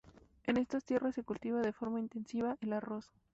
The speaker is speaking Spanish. En estas tierras se cultiva de forma intensiva el arroz.